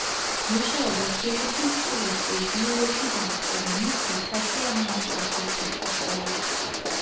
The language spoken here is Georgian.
მუშაობა თბილისის ტურისტულ ბიუროში დაიწყო და მისთვის სასიამოვნო საქმეს მიჰყო ხელი.